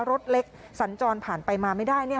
รถเล็กสัญจรผ่านไปมาไม่ได้